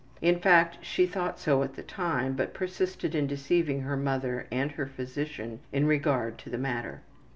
In fact, she thought so at the time, but persisted in deceiving her mother and her physician in regard to the matter.